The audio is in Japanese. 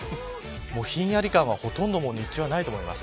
ひんやり感はほとんど日中はないと思います。